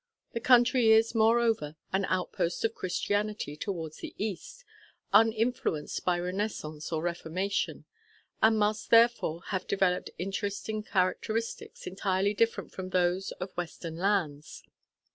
The country is, moreover, an outpost of Christianity towards the East uninfluenced by Renaissance or Reformation and must therefore have developed interesting characteristics entirely different from those of Western lands.